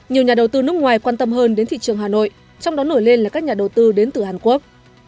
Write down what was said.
nhiều nhà đầu tư nước ngoài quan tâm hơn đến thị trường hà nội trong đó nổi lên là các nhà đầu tư đến từ hàn quốc